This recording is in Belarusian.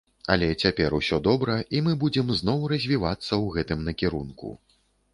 Але цяпер усё добра, і мы будзем зноў развівацца ў гэтым накірунку.